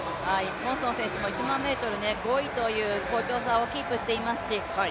モンソン選手も１００００ｍ５位という好調さをキープしていますので、